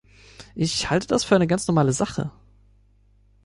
Ich halte das für eine ganz normale Sache.